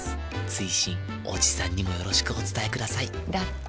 追伸おじさんにもよろしくお伝えくださいだって。